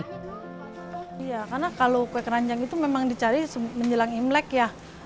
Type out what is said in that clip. iya karena kalau kue keranjang itu memang dicari menjelang imlek ya